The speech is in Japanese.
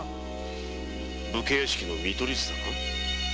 武家屋敷の見取り図だな。